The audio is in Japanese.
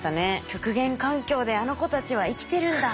極限環境であの子たちは生きてるんだ。